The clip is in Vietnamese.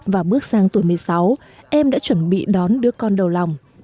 và bước sang tuổi một mươi sáu em đã chuẩn bị đón đứa con đầu lòng